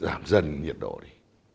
giảm dần nhiệt độ lại